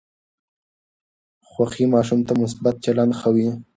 خوښي ماشوم ته مثبت چلند ښووي.